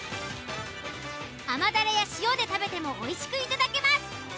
甘だれや塩で食べてもおいしくいただけます。